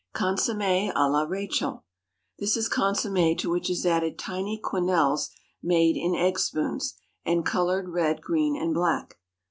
Consommé à la Rachel. This is consommé to which is added tiny quenelles made in eggspoons, and colored red, green, and black.